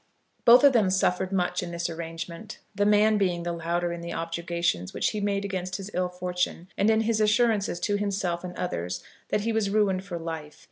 Both of them suffered much in this arrangement, the man being the louder in the objurgations which he made against his ill fortune, and in his assurances to himself and others that he was ruined for life.